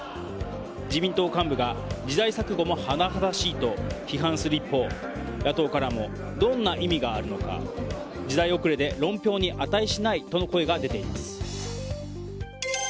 自民党幹部が時代錯誤も甚だしいと批判する一方、野党からもどんな意味があるのか時代遅れで論評に値しないとの声が出ています。